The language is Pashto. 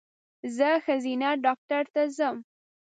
زه ښځېنه ډاکټر ته ځم